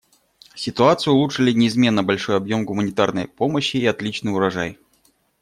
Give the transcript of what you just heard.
Ситуацию улучшили неизменно большой объем гуманитарной помощи и отличный урожай.